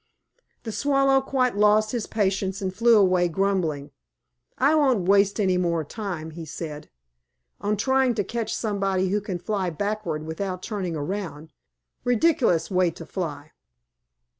The Swallow quite lost his patience and flew away grumbling. "I won't waste any more time," he said, "on trying to catch somebody who can fly backward without turning around. Ridiculous way to fly!"